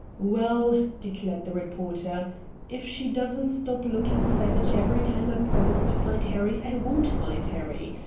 "Well," declared the reporter, "if she doesn't stop looking savage every time I promise to find Harry I won't find Harry.